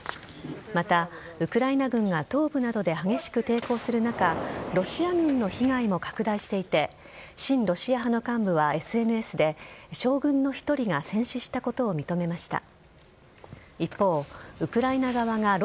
また、ウクライナ軍が東部などで激しく抵抗する中ロシア軍の被害も拡大していて親ロシア派の幹部はＳＮＳで将軍の１人が戦死したことを認めました。